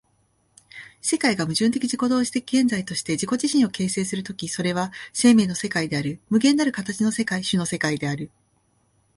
世界が矛盾的自己同一的現在として自己自身を形成する時、それは生命の世界である、無限なる形の世界、種の世界である。